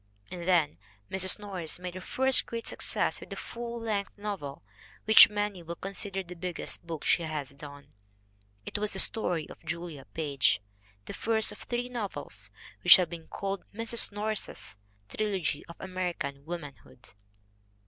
And then Mrs. Norris made her first great success with a full length novel which many will consider the biggest book she has done. It was The Story of Julia Page, the first of three novels which have been called Mrs. Norris's trilogy of American womanhood.